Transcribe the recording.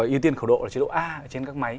yêu tiên khẩu độ là chế độ a trên các máy